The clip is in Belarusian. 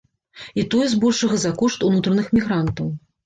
І тое збольшага за кошт унутраных мігрантаў.